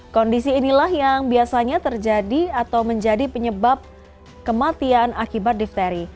kondisi inilah yang biasanya terjadi atau menjadi penyebab kematian akibat difteri